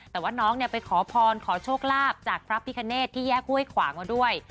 แต่ว่าน้องไปขอพรขอโชคลาภจากพระพิคเนตที่แยกห้วยขวางมาด้วย